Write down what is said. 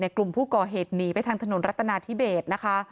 กลุ่มผู้ก่อเหตุหนีไปทางถนนรัฐนาธิเบสนะคะ